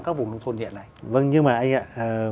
các vùng nông thôn hiện nay vâng nhưng mà anh ạ